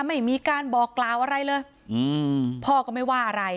ไม่มีการบอกกล่าวอะไรเลยอืมพ่อก็ไม่ว่าอะไร